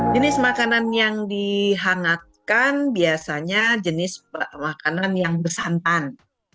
jenis makanan yang dihangatkan biasanya jenis makanan yang bersantan